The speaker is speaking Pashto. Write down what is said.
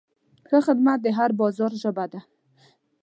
ښه خدمت د هر بازار ژبه ده.